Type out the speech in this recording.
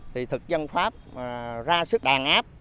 thì thực dân pháp ra sức đàn áp